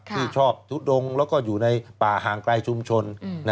ที่ชอบทุดงแล้วก็อยู่ในป่าห่างไกลชุมชน